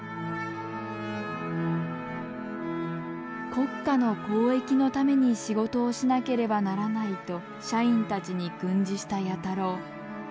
「国家の公益のために仕事をしなければならない」と社員たちに訓示した弥太郎。